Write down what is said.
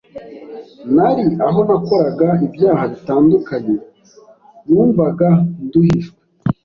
nari aho nakoraga ibyaha bitandukanye, numvaga nduhijwe